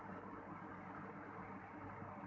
แต่ว่าจะเป็นแบบนี้